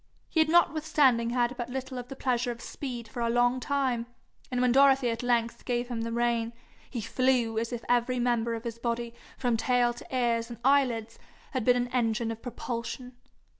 He had notwithstanding had but little of the pleasure of speed for a long time, and when Dorothy at length gave him the rein, he flew as if every member of his body from tail to ears and eyelids had been an engine of propulsion.